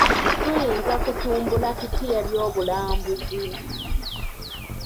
Tuyinza kutumbula tutya eby'obulambuzi?